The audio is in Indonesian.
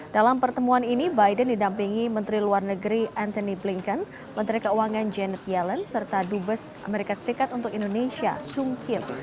dalam pertemuan ini biden didampingi menteri luar negeri anthony blinken menteri keuangan janet yellen serta dubes amerika serikat untuk indonesia sung kil